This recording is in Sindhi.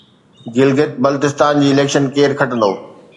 گلگت بلتستان جي اليڪشن ڪير کٽندو؟